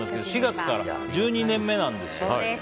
やってますが４月から１２年目なんですよ。